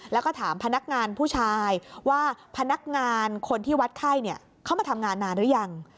แล้วก็ถามพนักงานผู้ชายว่าพนักงานคนที่วัดไข้เข้ามาทำงานนานหรือยัง